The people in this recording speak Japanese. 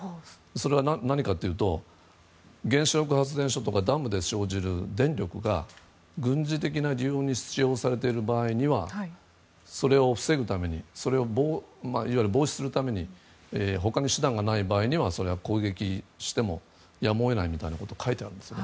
それは何かというと原子力発電所とかダムで生じる電力が軍事的なものに使用されている場合にはそれを防ぐためにいわゆる防止するために他に手段がない場合には攻撃してもやむを得ないみたいなことが書いてあるんです。